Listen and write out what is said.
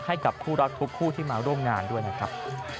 ให้กับคู่รักทุกคู่ที่มาร่วมงานด้วยนะครับ